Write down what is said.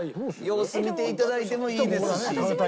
様子見て頂いてもいいですし。